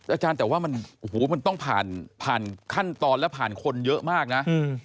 อาจารย์แต่ว่ามันโอ้โหมันต้องผ่านผ่านขั้นตอนและผ่านคนเยอะมากนะ